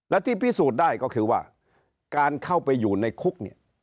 และที่พิสูจน์ได้ก็คือว่าการเข้าไปอยู่ในคุกเนี่ย